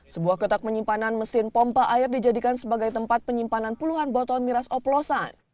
sebuah kotak penyimpanan mesin pompa air dijadikan sebagai tempat penyimpanan puluhan botol miras oplosan